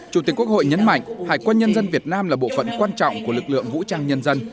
chủ tịch quốc hội nhấn mạnh hải quân nhân dân việt nam là bộ phận quan trọng của lực lượng vũ trang nhân dân